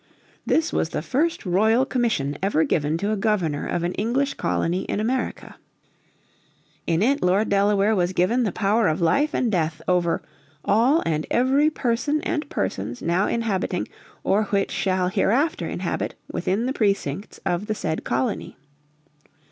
This was the first royal commission ever given to a governor of an English colony in America. In it Lord Delaware was given the power of life and death over "all and every person and persons now inhabiting, or which shall hereafter inhabit within the precincts of the said colony."